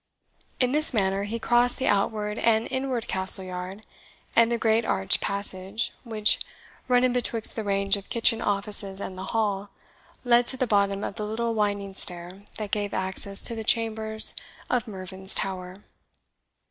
In this manner he crossed the outward and inward Castle yard, and the great arched passage, which, running betwixt the range of kitchen offices and the hall, led to the bottom of the little winding stair that gave access to the chambers of Mervyn's Tower.